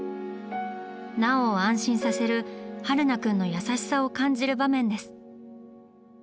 奈緒を安心させる榛名くんの優しさを感じる場面です。